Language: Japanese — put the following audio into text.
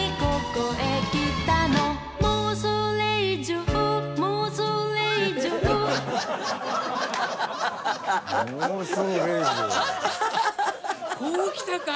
こうきたか！